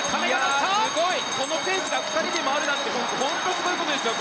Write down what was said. このペースを２人で回るなんて本当にすごいことですよ。